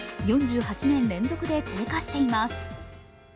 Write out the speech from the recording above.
４８年連続で低下しています。